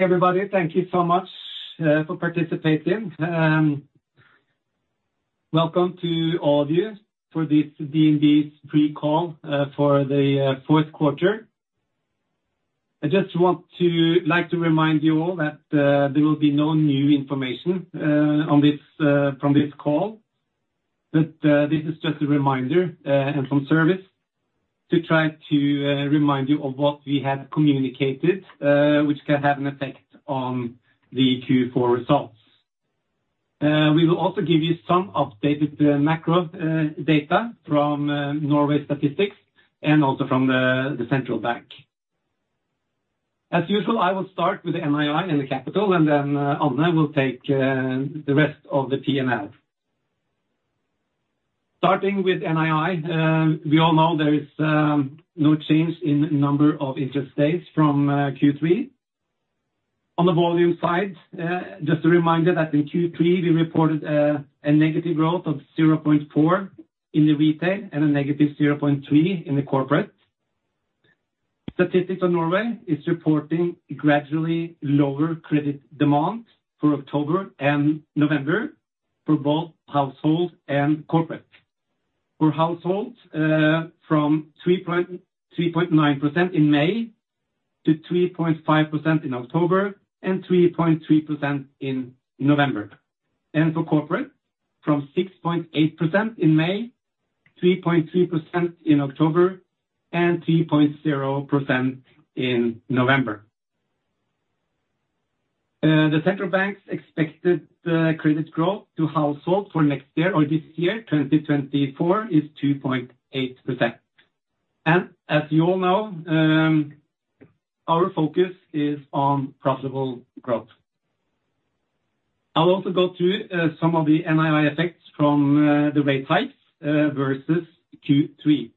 Everybody, thank you so much for participating. Welcome to all of you for this DNB's Pre-call for the fourth quarter. I just want to like to remind you all that there will be no new information on this from this call. But this is just a reminder and from service to try to remind you of what we have communicated which can have an effect on the Q4 results. We will also give you some updated macro data from Statistics Norway and also from the central bank. As usual, I will start with the NII and the capital, and then Anne will take the rest of the P&L. Starting with NII, we all know there is no change in number of interest rates from Q3. On the volume side, just a reminder that in Q3, we reported a negative growth of 0.4% in the retail, and a negative 0.3% in the corporate. Statistics Norway is reporting gradually lower credit demand for October and November for both household and corporate. For households, from 3.9% in May, to 3.5% in October, and 3.3% in November. And for corporate, from 6.8% in May, 3.3% in October, and 3.0% in November. The central bank's expected credit growth to household for next year or this year, 2024, is 2.8%. And as you all know, our focus is on profitable growth. I'll also go through some of the NII effects from the rate hikes versus Q3.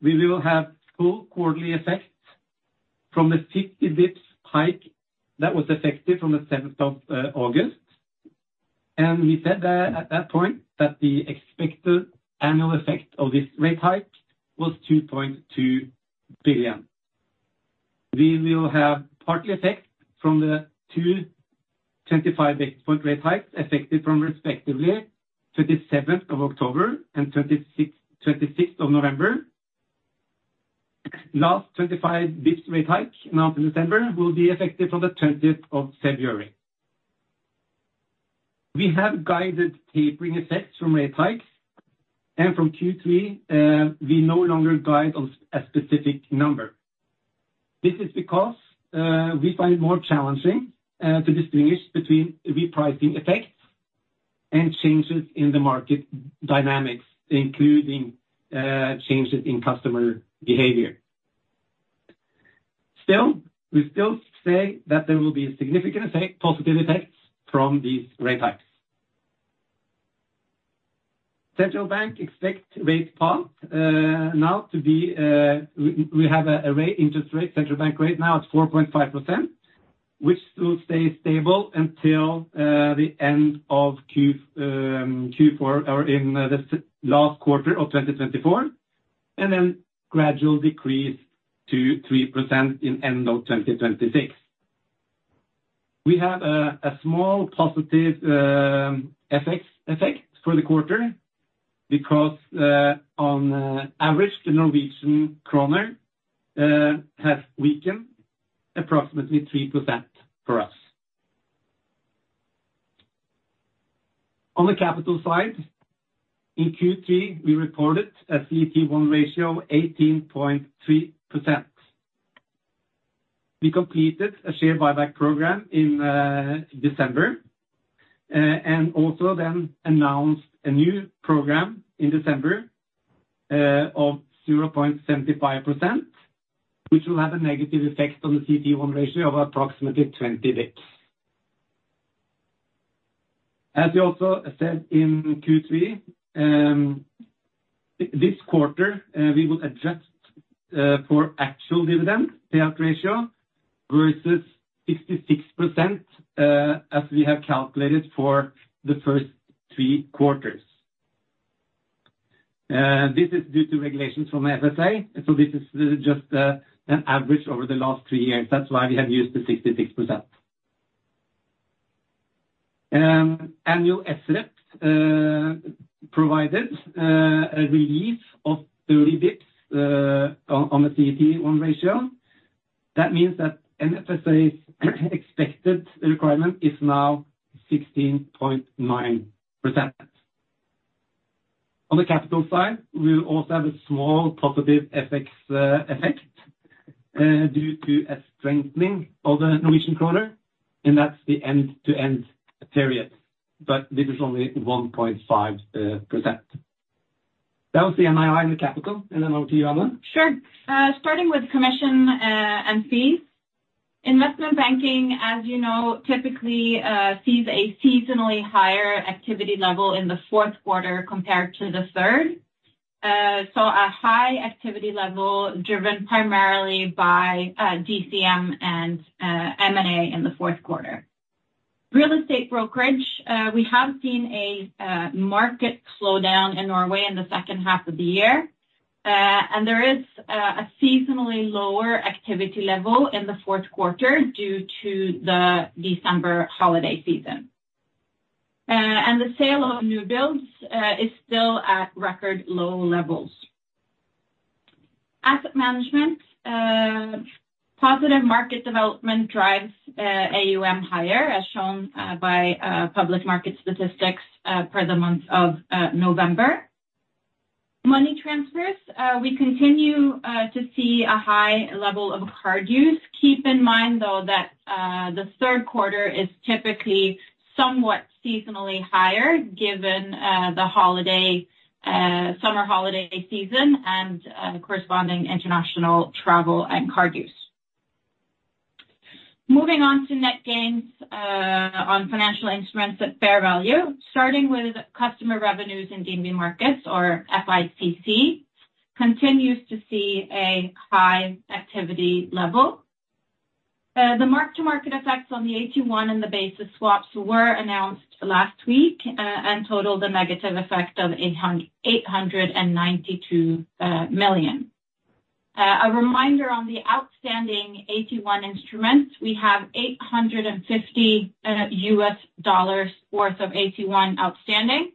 We will have full quarterly effects from the 50 bps hike that was effective on the seventh of August. We said that at that point, the expected annual effect of this rate hike was 2.2 billion. We will have partly effect from the Two 25-point rate hikes, effective from respectively, October 27th and November 26th.November 25th Last 25 bps rate hike, now in December, will be effective on the February 20th. We have guided tapering effects from rate hikes, and from Q3, we no longer guide on a specific number. This is because we find it more challenging to distinguish between repricing effects and changes in the market dynamics, including changes in customer behavior. Still, we still say that there will be a significant effect, positive effects, from these rate hikes. Central Bank expect rate path now to be, we have a Central Bank rate now at 4.5%, which still stays stable until the end of Q4 or in the last quarter of 2024, and then gradually decrease to 3% in end of 2026. We have a small positive FX effect for the quarter, because on average, the Norwegian kroner has weakened approximately 3% for us. On the capital side, in Q3, we reported a CET1 ratio of 18.3%. We completed a share buyback program in December, and also then announced a new program in December, of 0.75%, which will have a negative effect on the CET1 ratio of approximately 20 bps. As we also said in Q3, this quarter, we will adjust, for actual dividend payout ratio versus 66%, as we have calculated for the first three quarters. This is due to regulations from the FSA, so this is just, an average over the last three years. That's why we have used the 66%. Annual SREP, provided, a release of 30 bps, on the CET1 ratio. That means that NFSA's expected requirement is now 16.9%. On the capital side, we will also have a small positive FX effect due to a strengthening of the Norwegian kroner, and that's the end-to-end period, but this is only 1.5%. That was the NII and the capital, and then over to you, Anne. Sure. Starting with commission and fees. Investment banking, as you know, typically sees a seasonally higher activity level in the fourth quarter compared to the third. So a high activity level, driven primarily by DCM and M&A in the fourth quarter. Real estate brokerage, we have seen a market slowdown in Norway in the second half of the year. And there is a seasonally lower activity level in the fourth quarter due to the December holiday season. And the sale of new builds is still at record low levels. Asset management, positive market development drives AUM higher, as shown by public market statistics for the month of November. Money transfers, we continue to see a high level of card use. Keep in mind, though, that the third quarter is typically somewhat seasonally higher, given the summer holiday season and the corresponding international travel and card use. Moving on to net gains on financial instruments at fair value, starting with customer revenues in DNB Markets or FICC, continues to see a high activity level. The mark-to-market effects on the AT1 and the basis swaps were announced last week and totaled a negative effect of 892 million. A reminder on the outstanding AT1 instruments, we have $850 million worth of AT1 outstanding,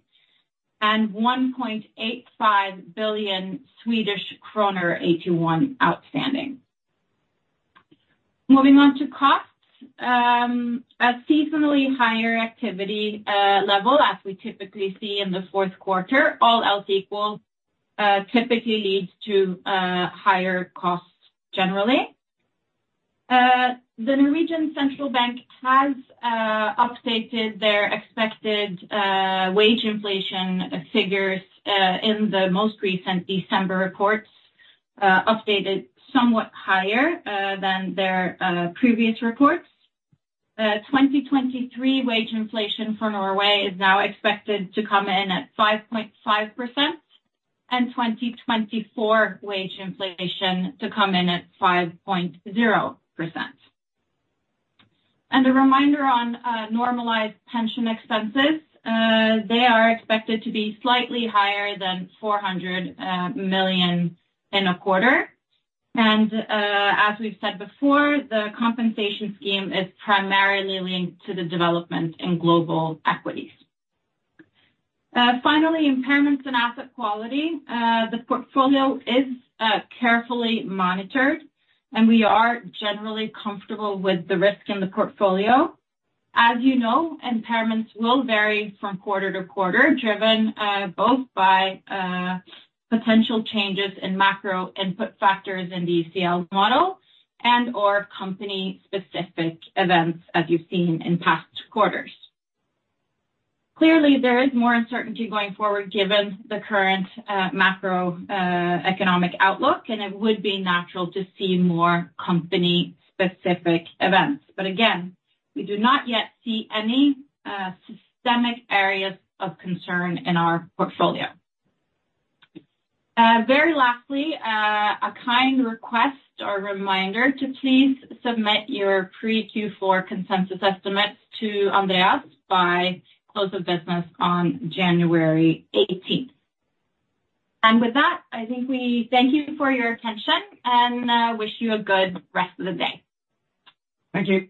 and SEK 1.85 billion AT1 outstanding. Moving on to costs, a seasonally higher activity level, as we typically see in the fourth quarter. All else equal, typically leads to higher costs generally. The Norwegian Central Bank has updated their expected wage inflation figures in the most recent December reports, updated somewhat higher than their previous reports. 2023 wage inflation for Norway is now expected to come in at 5.5%, and 2024 wage inflation to come in at 5.0%. A reminder on normalized pension expenses, they are expected to be slightly higher than 400 million in a quarter. As we've said before, the compensation scheme is primarily linked to the development in global equities. Finally, impairments in asset quality. The portfolio is carefully monitored, and we are generally comfortable with the risk in the portfolio. As you know, impairments will vary from quarter to quarter, driven both by potential changes in macro input factors in the ECL model and/or company specific events, as you've seen in past quarters. Clearly, there is more uncertainty going forward, given the current macroeconomic outlook, and it would be natural to see more company specific events. But again, we do not yet see any systemic areas of concern in our portfolio. Very lastly, a kind request or reminder to please submit your pre-Q4 consensus estimates to Andreas by close of business on January 18th. And with that, I think we thank you for your attention and wish you a good rest of the day. Thank you.